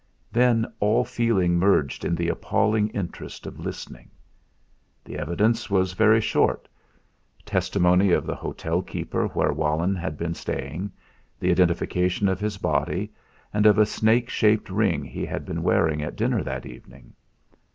Then all feeling merged in the appalling interest of listening. The evidence was very short. Testimony of the hotel keeper where Walenn had been staying, the identification of his body, and of a snake shaped ring he had been wearing at dinner that evening.